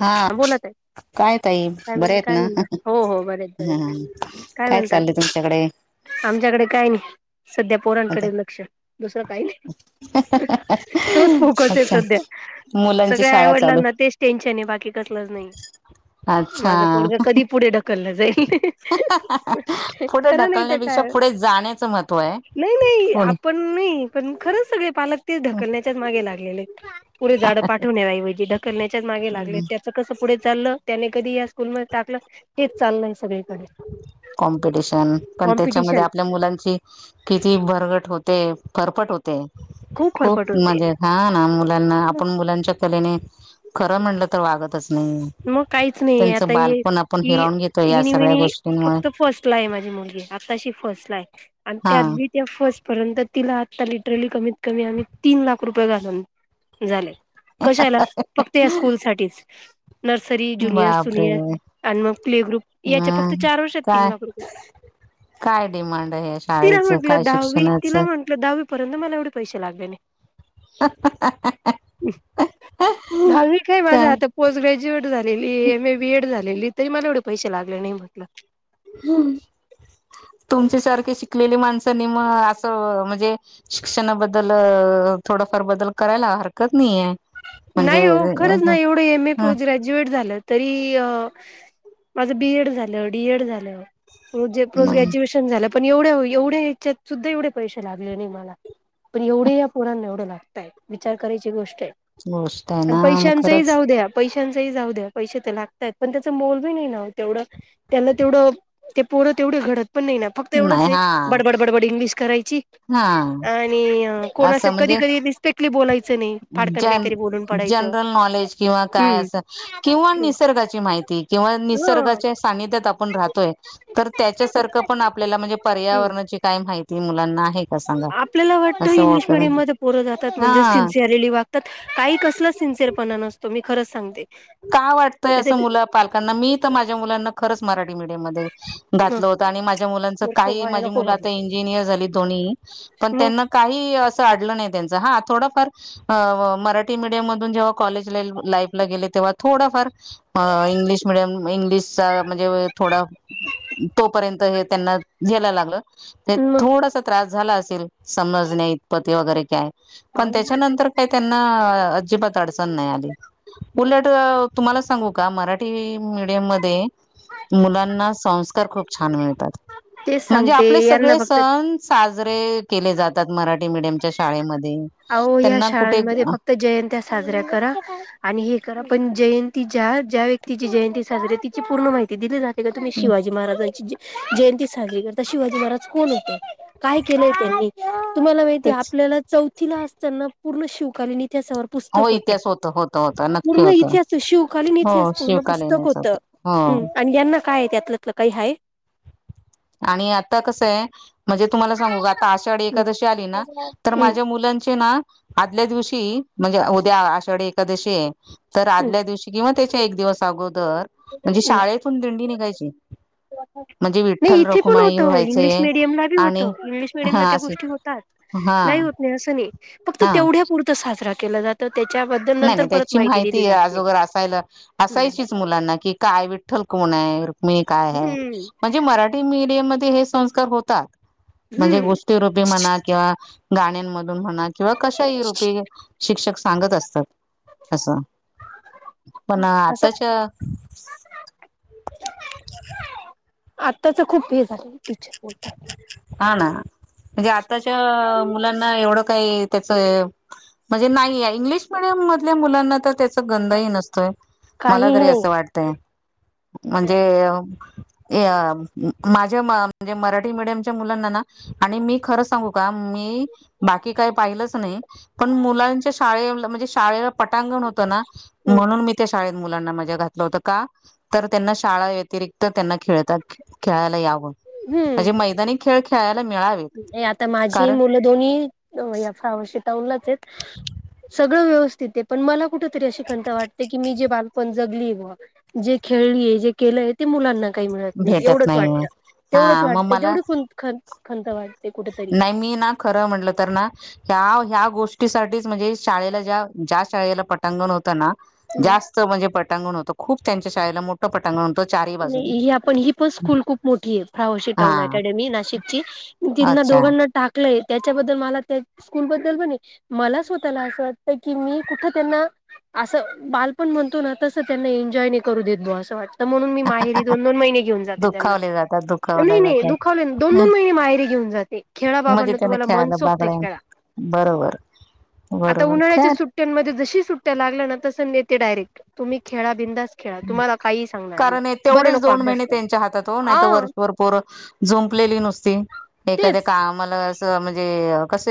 हा बोलत आहे काय तई काय बरे म्हणता आहेत काय ना म्हणता हो हो बरेत बरेत ह काय चाललंय तुमच्याकडे आमच्याकडे काय नाही सध्या आता पोरांकडे लक्ष दुसरं काय नाही तोच फोकस आहे अच्छा सध्या मुलांची सगळ्या शाळा चालू आईवडलांना तेच टेन्शन आहे बाकी नाही अच्छा माझं पोरगं कधी पुढे ढकललं जाईल पुुढे खरं नाही तर ढकलण्यापेक्षा काय पुढे जाण्याचं महत्त्व आहे नाही नाही पुढे आपण नाही पण खरंच सगळे पालक तेच ढकलण्याच्या मागे लागलेले पुढे जा पाठवऐवज ढकलण्याच्या मागे लागले त्या कस पुढे चाललं त्याने कधी या स्कूल म टाकलं हेच चाललय सगळीकडे कॉम्पिटिशन पण त्याच्यामध्ये कॉम्पिटिशन आपल्या मुलांची किती भरघट होते फरफट होते फरफट खूप होते मजेत हा ना मुलांना आपण मुलांच्या कलेने खरं म्हटलं तर वागतच आणि मग काहीच नाही त्यांचं आता हे बालपण आपण ही हिरावून घेतो या इनी सगळ्या विनी गोष्टींमुळे फक्त फर्स्ट ला आहे माझी मुलगी आताशी फर्स्ट ला आहे आणि हा त्याती त्या फर्स्ट परंत तिला आता लिटरली कमीत कमी आम्ही तीन लाख रुपये घालून झाले कशाला फक्त या स्कूल साच नर्सरी ज्युनियर बापरे सुनियर आणि मग प्ले ग्रुप याच्या फक्त ह चार वर्षात काय तीन लाख रुपये काय डिमांड आहे या तिला शाळेचं काय म्हंटलं दहावी शिक्षणाचं तिला म्हंटलं दहावी पर्यंत मला एवढे पैसे लागतेने भावीवी काही काय माझा आ पोस्ट ग्र ड झाली एम ए बीएड झालेली तरी मला एवढे पैसे लागले नाही म्हटलं हम्म तुमच्या सारखे शिकलेली माणसं म असं म्हणजे शिक्षणाबद्दल थोडाफार बदल करायला हरकत नाहीय नाही हो खरंच नाही एवढं एम ए ह ग्रॅज्युएट झालं तरी माझ बीएड झालं डीएड झालंे प ग्रॅ्युएशन झा पण एवढ्या एवढ्या ह्याच्यात सुद्धा एवढे पैसे लागले नाही मला पण एवढी या पुळना एवढं लागतय विचार करायची गोष्ट आहे गोष्ट आहे ना आणि मग पैशांच खरंच जाऊ द्या पैश जाऊ द्या पै लागतात पण त्याच मोल नाही तेवढं त्याला तेवढ तेर तेवढे घडत पण नाही ना फक् एवढच नाही आहे हा बडबड बडबड इंग्िश करायच हा आणि कोणा असं कधी म्हणजे कधी रिस्पेक्टली बोलायचं नाही फडकन काही न क हम्म का निा माहिती नि सगित य राहतोय त्याच्या सारख पण आपल्या म्हणजे ह पर्यावरणाची का माहिती मुलांना आहे का सांगा आपल्याला वाटतं असं इंग्लिश ओळखत मिडियम मध्ये प पुरं जातात म्हणजे हा सिन्सिअरली वागतात काही कसलं सिरपणा असतो म ख का वाटतंय असं मुलं पालकांना मी तर माझ्या मुलांना खरंच मराठी मीडयम म हं, घातलं होत आणि माझ्या मुलांच मूर्ख काही व्हायला माझी नको मुलं आता घालू इंजिनियर झाली दोन्ही पण मग त्यांना काही अस मराठीडम ज क थोडा फर्क इंगलि मिडियम इ्लिश म्हणजे थोडा तोपर्यंत त हे त्यांना झेलाय लागलं ते म थोडासा त्रास झाला असेल समजण्या इतपत ते वगैरे काय पण त्याच्यानंतर काही त्यांना अजिबात अडचण नाही आली उलट तुम्हाला सांगू का मराठी मीडियम मिडीयम मध्ये मुलांना संस्कार खूप छान मिळतात. तेच म्हणजे सांगते आपले यांना सगळे फक्त सण साजरे केले जातात मराठी मडियमच्या शाळेम अहो ह्या शाळांमध्ये फक्त जयंत्या साजऱ्या करा आणि हे करा. पण जयंती ज्या ज्या व्यक्तीची जयंती साजरीे तिची पूर्ण माहिती दिली जाते. ते का तुम्ही शिवाजी महाराजांची ज जयंती साजरी करता शिवाजी महाराज कोण होते? काय केलंय त्यांनी? तुम्हाला माहिती आहे तेच आपल्याला चौथीला असताना पूर्ण शिवकालीन इ इतिहासावर हो पुस्तक होत इतिहास होत होत नक्की पूर्ण होत इतिहास शिवकालीन हो इतिहास पूर्ण पुस्तक शिवकालीनच होत होतं. हो ह आणि यांना काय त्यातलं त काही हाय आणि आता कसं आहे म्हणजे तुम्हाला सांगू आता आषाढी एखादशी आली ना तर माझ्या मुलां ची ना आदल्या दिवशी म्हणजे उद्या आषाढी एकादशी तर आदल्या दिवशी किंवा त्याच्या एक दिवस अगोदर म्हणजे शाळेतून दिंडी निघायची म्हणजे वि इथे पण होत हो इंग्लिश मिडियमला बी होत आणि इंग्लिश हा मिडियमला त्या असे गोष्टी होतात, हा नाही होत नाही असं नाही. फक्त हा तेवढ्या पुुरतं साजरा केला जातात. नाही नाही त्याची माहिती नाही. अजोगर असायला हम्म असायचीच मुलांना कि काय विठ्ठल कोनाय? मी काय हाय हम्म म्हणजे मराठी मीडियम मध्ये हे संस्कार होतात. म्हणजे हम्म गोष्टीरूपी म्हणा किंवा गाण्यांमधून म्हणा किंवा कशा ही रूपी शिक्षक सांगत असतात. असं पण असं आताच्या [inaudible] आत्ताच खूप हे झालय टीचर बोलतात ना हा ना म्हणजे आताच्या मुलांना एवढं काही त्याच म्हणजे नाही इंग्लिश मिडियमधल्या मुलांना तर त्या च गंध ही नसतोय मला काहीही तरी नाही. असं वाटतय. म्हणजे ए अ माझ्या म म्हणजे मराठी मिडियमच्या मुलांना ना आणि मी खरं सांगू का मी बाकी काय पाहिलंच नाही. पण मुलांच्या शाळे म्हणजे शाळेला पटांगण होत ना हम्म म्हणून मी त्या शाळेत मुलांना माझ्या घातलं होत का? तर त्यांना शाळा व्यतिरिक्त त्यांना खेळता खेळायला यावं. हम्म म्हणजे मैदानी खेळ खेळा नाही आता माझी मुलं दोन्ही या फ्रौनशिप दौलाचेत सगळे व्यवस्थित आहे पण मला कुठेतरी अशी खंत वाटते की मी जे बाल पण जगली बुवा जे खेळलीये जे केलंय ते मुलांना काही मिळत नाही भेटत एवढंच वाटत नाही हा तेवढंच मग वाटतं मला तेवढ पण खंत वाट नाही मी ना खरं म्हटलं तर ना ह्या ह्या गो ष्टी साठीच म्हणजे शाळेला ज्या शाळेला पटांगण होतं ना जास्त म्हणजे पट पटांगण होत खूप त्यांच्या शाळेला मोठं पटांगण चारही बाजून ही आपण ही पण स्कूल खूप मोठी आहे फ्राउंशी हा टाऊन अकॅडमी नाशिकची त्यांना अच्छा दोघांना टाकलंय. त्याच्याबद्दल मला त्या स्कूलबद्दल म्हणे मला स्वतःला असं वाटतं की मी कुठ त्यांना असं बालपण म्हणतो ना, तसं त्यांना एन्जॉय नाही करू देत बुवा असं वाटतं म्हणून मी माहेरी दोन दोन महिने घेऊन जाते त्यांना दुखावले जातात नाही दुखावले नाही जातात दुखवले ना दोन अ, दोन महिने माहेरी घेऊन जाते. खेळा म्हणजे बाबानो त्याने तुम्हांला खेळायला मनसोक्त बागड्या खेळा. बरोबर आता बरोबर खेळ उन्हाळ्याच्या सुट्ट्यांमध्ये जशी सुट्ट्या लागल्या ना तस नेते डायरेक्ट तुम्ही खेळा, बिनधास्त खेळा, तुम्हांला काहीही सांगणार नाही. कारण हे बरं तेवढेच नको दोन अभ्यास महिने करू त्यांच्या हातात हो नाहीतर आ वर्षभर पोरं जुंपलेली नुसती एखाद्या तेच कामाला असं म्हणजे की कसं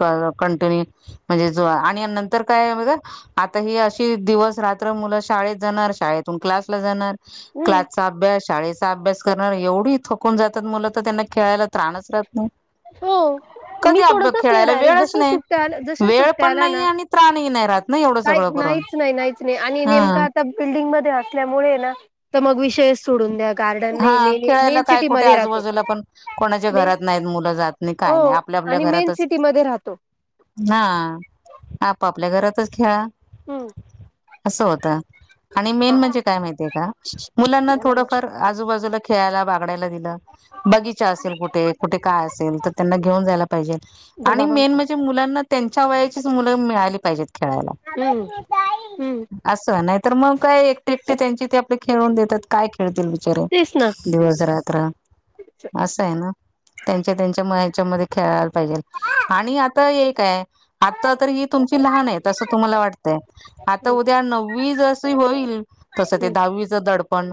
हे कंटुनी म्हणजे नंतर काय हाय बघा आता ही ही अशी दिवस-रात्र मुलं शाळेत जाणार, शाळेतून क्लासला जाणार, हम्म क्लासचा अभ्यास शाळेचा अभ्यास करणार एवढी थकून जातात मुलं तर त्यांना खेळायला त्राणच राहत नाही. हो मी कधी अब, सोडतच नाही खेळायला डायरेक्ट वेळच जशा नाही. सुट्ट्या आल्या वेळ पण नाहीे आणि त्राणही नाही राहात. काही नाही नाहीच नाही नाहीच नाही आणि हा नेमका आता बिल्डिंग असल्यामुळे ना मग विषय सोडून द्या. गार्डन नाही हा मेन खेळायला मेन काय सिटी कुठे मध्ये राहतो आजूबाजूला पण कोणाच्या मेन घरात नाहीत मुलं. जात नाही हो काही नाही आपआपल्या आणि मेन घरातच सिटी मध्ये राहतो हा आप आप पल्या घरातच खेळा. हम्म. असं होत आणि मेन हा म्हणजे काय माहितीये का मुलांना याला थोडफार आजुबाजुला खेळायला बघायला गेल बागिचा असेल कुठे कुठे काय असेल तर त्यांना घेऊन जायला पाहिजे जर आणि बाबा मेन म्हटलं म्हणजे मुलांना त्यांच्या वयाचीच मुलं मिळाली पाहिजेत खेळायला हम्म हम्म असं नाही तर मग काय एकटे एकटे त्यांचे ते आपले खेळून घेतात काय खेळतील तेच ना दिवस रात्र अस आहे ना त्यांच्या त्यांच्या म मध्ये खेळायला पाहिजे आणि आता हे काय आता तर ही तुम लहान आहेत अस तुम्हाला वाटत आता हम्म उद्या नव्वी जशी होईल तस ते हम्म दहावीच दडपण.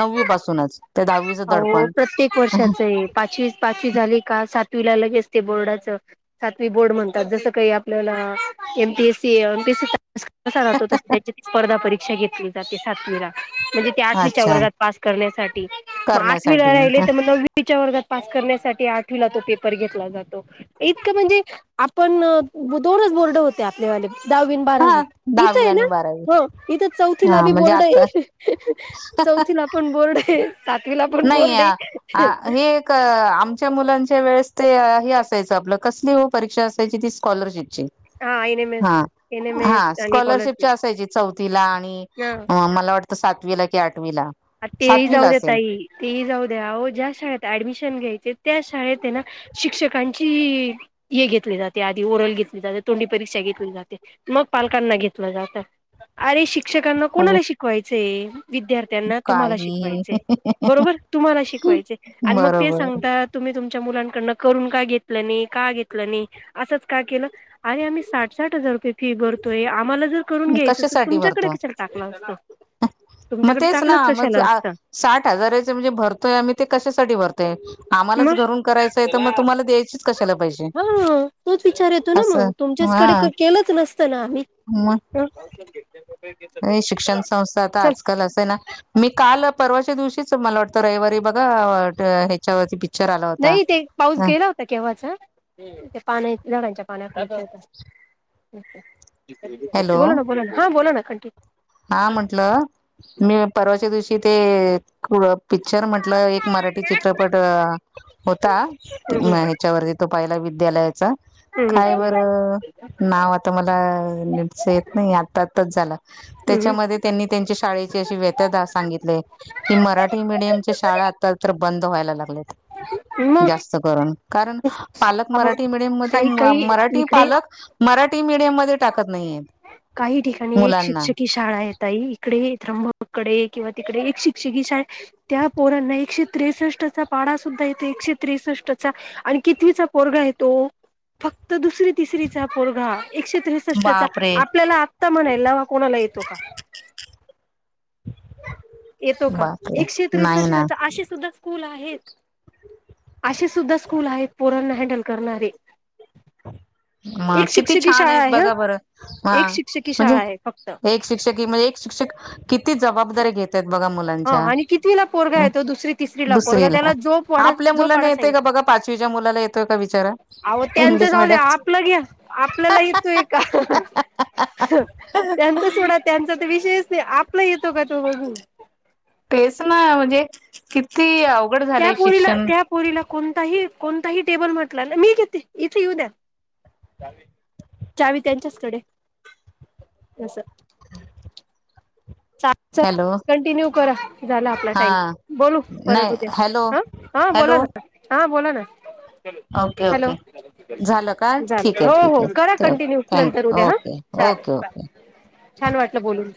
नववी पासूनच ते दहावीचं अ दडपण प्रत्येक वर्षाच आहे पाचवी, पाचवी झाली का सात- - वीला लगेच ते बोर्डाचं सातवी बोर्ड म्हणतात जस काही आपल्याला एम पी ए सी चं पास [unintelligible] त्याची स्पर्धा परीक्षा घेतली जाते सातवीला. म्हणजे ते आठवीच्या अच्छा वर्गात पास करण्यासाठी मग आठवीला करण्यासाठी राहिले तर मग नव्वी च्या वर्गात पास करण्यासाठी आठवीला तो पेपर घेतला जातो इतक म्हणजे आपण दोनच बोर्ड होते आपल्यावाले. दहावी अन बारावी हा इथं दहावी ये आणि ना बारावी हो इथं चौथीला हा बि म्हणजे बोर्ड आहे आता अं ह, अं ह चौथीला पण बोर्ड आहे. सातवीला पण नाही बोर्ड आहे. ये हे एक आमच्या मुलांच्या वेळेस ते हे असायचं आपलं कसली हो परीक्षा असायची ती स्कॉलरशिपची. हा एम हा एस एन एम एस हा आणि स्कॉलरशिप स्कॉलरशिपच्या असायची चौथीला आणि हा. मला वाटतं सात वीला की आठ आ तेही जाऊ द्या ताई ते ही जाऊ द्या, आवो ज्या शाळेत ऍडमिशन घ्यायचे त्या शाळेत ना शिक्षकांची हे घेतली जाते आधी ओरल घेतली जाते तोंडी परीक्षा घेतली जाते मग पालकांना घेतलं जातं. अरे शिक्षकांना कोणाला शिकवायचंय विद्यार्थ्यांना तुम्हाला काही शिकवायच ये बरोबर तुम्हाला शिकवाय च ये आणि मग ते बरोबर सांगता तुम्ही तुमच्या मुलांन कडन करून का घेत नाही, का घेतला नाही आसच का केल आरे मी साठ साठ हजार रुपये फी भरतोय आम्हाला जर करून घ्यायच असेल जर कशासाठी तुमच्याकडे भरतो कशाला टाकल असत. तुमच्याकडे टाकलं साठ साठ हजाराच म्हणजे भरतोय आम्ही ते कशासाठी भरतोय? आम्हालाच मग घरून करायचं आहे तर मग तुम्हाला द्यायचीच कशाला पैशे. हा असं त्याच्याच कडे केलंच नसतं ना आम्ही. म. [unintelligible] शिक्षण संस्था आता चल आजकाल असं आहे ना मी काल परवा च्या दिवशीच मला वाटतं रविवारी बघा ह्याच्यावर् नाही ते पाऊस गेला होता केव्हाच ते पान झाडांच्या पाण्यात हॅलो बोला ना बोला ना हा बोला ना कन्टीन्यू हा म्हंटलं मी परवाच्या दिवशी ते - पिक्चर म्हटलं एक मराठी चित्रपट अ होता हम्म ह्याच्यावरती तो- पहिला विद्यालयाचा- हम्म काय हम्म बरं नाव आता मला नटच येत नाही आता आत्ताच झाला. हम्म त्याच्यामध्ये त्यांनी त्यांच्या शाळे व्य सांगित की मराठी मडयम शाळा आ तर बंद व्हायला लागल्यात हम्म मग जास्त करून कारण पालक मराठी मीडियम मध्ये काही काही मराठी इकडे पालक मराठी मीडियम मध्ये टाकत नाहीये काही ठिकाणी एक शिक्षक शाळा येत आहे इकडे ध्रममकडे किंवा तिकडे एक शिक्षिकी शा त्या पोरांना एक क त्रेसष्टचा पाडा सुद्धा येतो एकशे त्रेसष्टचा आणि कितीचा पोरगा येतो फक्त दुसरी तिसरीचा पोरघा एकशे त्रेसष्टचा बापरे आपल्याला आत्ता म्हणा लवा कोणाला येतो का येतो का बापरे एकशे नाही ना त्रेसष्टचा अशीे सुद्धा स्ूल आहेत असे सुद्धा स्कूल आहेत पोरांना हँडल करणारे म एक किती शिक्षकी छान शाळा आहेत आहे ह बघा बरं हा एक शिक्षकी शाळा आहे फक्त म्हणजे एक शिक्षक म्हणजे एक शिक्षक किती जबाबदारी बा हा मुलांच्या आणि कितवीला पोरगा येतो दुसरी तिसरीला पोरगा दुसरीला त्याला जो पाढा आपल्या जो मुलांना पाढा येत सांगितला का ब ब पाचवीच्या मुलाला येतोय का विचारा अहं त्यांचं इंग्लिश जाऊ द्या मिडियम आपलं घ्या आपल्याला येतो ए का त्यांचा सोडा त्यांचा तर विषयच नाही आपला येतो का तो बघून टेस ना म्हणजे किती आ त्या पोरीला त्या पोरीला कोणताही कोणताही टेबल म्हटलं ना मी घेते इथे येऊ द्या चावी त्यांच्याचकडे असस च हॅलो कंटिन्यू करा झाला आपला हा टाइम बोलू परत नाही उद्या हॅलो ह हा बोला हॅलो ना हा बोला ना ओके हॅलो ओके झालं का ठीक झालं आहे हो ठीक हो आहे करा कंटिन्यू नंतर उद्या थँकू हा ओके चालेल ओके बाय ओके ततझल छान वाटलं बोलून